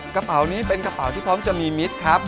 กระเป๋านี้เป็นกระเป๋าที่พร้อมจะมีมิตรครับ